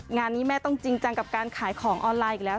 งานนี้แม่ต้องจริงจังกับการขายของออนไลน์อีกแล้ว